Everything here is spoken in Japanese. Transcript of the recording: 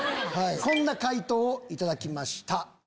こんな回答を頂きました。